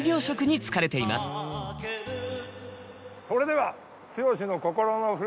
それでは。